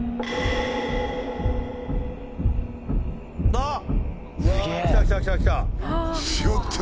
あっ！